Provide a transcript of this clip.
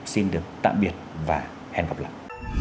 xin được tạm biệt và hẹn gặp lại